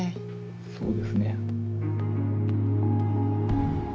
そうですね。